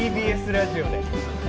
ＴＢＳラジオで。